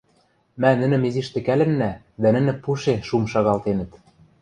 Мӓ нӹнӹм изиш тӹкӓлӹннӓ, дӓ нӹнӹ пуше шум шагалтенӹт.